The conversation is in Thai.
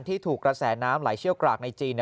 ถูกกระแสน้ำไหลเชี่ยวกรากในจีน